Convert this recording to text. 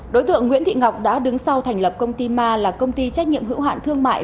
đối tượng nguyễn thị ngọc đã đứng sau thành lập công ty ma là công ty trách nhiệm hữu hạn thương mại